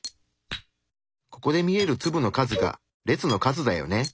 ここで見える粒の数が列の数だよね。